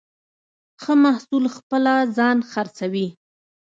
ښه محصول خپله ځان خرڅوي.